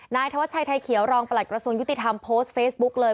นายธวัชชัยไทยเขียวรองประหลัดกระทรวงยุติธรรมโพสต์เฟซบุ๊กเลย